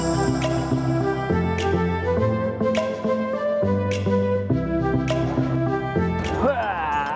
di sini kita lihat dalam kondisi motor listrik